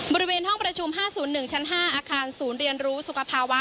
บริเวณห้องประชุม๕๐๑ชั้น๕อาคารศูนย์เรียนรู้สุขภาวะ